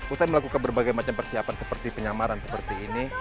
usai melakukan berbagai macam persiapan seperti penyamaran seperti ini